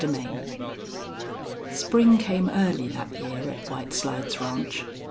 CHAPTER XIV Spring came early that year at White Slides Ranch.